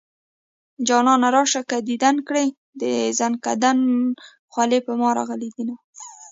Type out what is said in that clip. جانانه راشه که ديدن کړي د زنکدن خولې په ما راغلي دينه